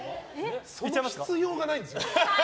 その必要がないんですよ。